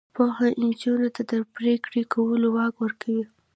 پوهه نجونو ته د پریکړې کولو واک ورکوي.